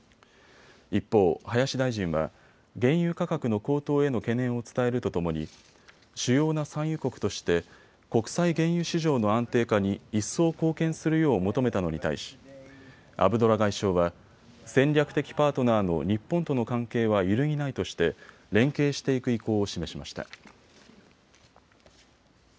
一方、林大臣は原油価格の高騰への懸念を伝えるとともに主要な産油国として国際原油市場の安定化に一層貢献するよう求めたのに対しアブドラ外相は、戦略的パートナーの日本との関係は揺るぎないとして連携していく意向を示しました。